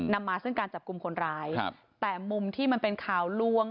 นำมาซึ่งการจับกลุ่มคนร้ายครับแต่มุมที่มันเป็นข่าวล่วง